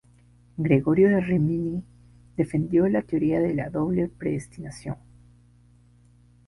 Gregorio de Rímini defendió la teoría de la doble predestinación.